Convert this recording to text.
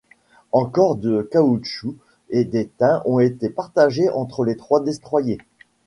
Encore de caoutchouc et d'étain ont été partagés entre les trois destroyers.